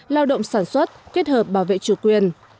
lao động sản xuất kết hợp bảo vệ chủ quyền